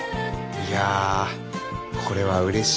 いやこれはうれしいですね。